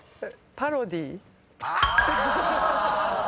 「パロディー」